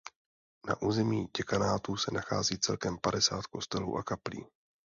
Na území děkanátu se nachází celkem padesát kostelů a kaplí.